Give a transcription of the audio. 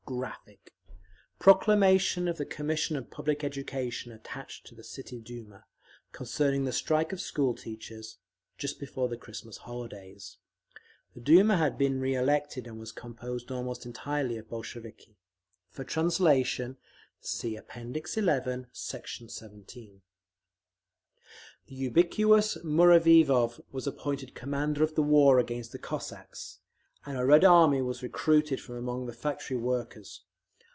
[Graphic, page 287: Education Proclamation] Proclamation of the Commission of Public Education attached to the City Duma, concerning the strike of school teachers, just before the Christmas holidays. The Duma had been re elected, and was composed almost entirely of Bolsheviki. For translation see App. XI, Sect. 17. The ubiquitous Muraviov was appointed commander of the war against the Cossacks, and a Red Army was recruited from among the factory workers.